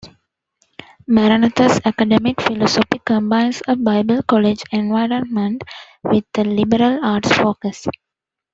Maranatha's academic philosophy combines a Bible college environment with a liberal arts focus.